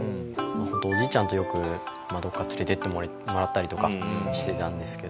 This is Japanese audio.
おじいちゃんとよくどこか連れて行ってもらったりとかしてたんですけど。